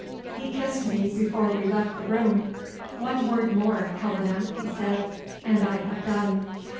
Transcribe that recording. He kissed me before we left the room. "One word more, Helena," he said, "and I have done.